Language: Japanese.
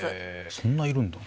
そんないるんだ。